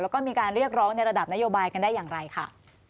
แล้วก็มีการเรียกร้องในระดับนโยบายกันได้อย่างไรค่ะ